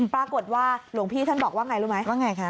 ปรากฏว่าหลวงพี่ท่านบอกว่าไงรู้ไหมว่าไงคะ